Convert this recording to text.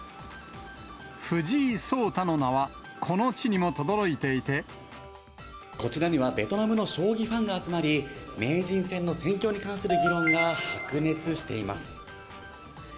藤井聡太の名は、こちらにはベトナムの将棋ファンが集まり、名人戦の戦況に関する議論が白熱しています。